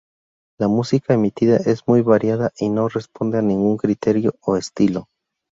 La música emitida es muy variada y no responde a ningún criterio o estilo.